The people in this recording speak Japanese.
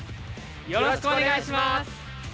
よろしくお願いします。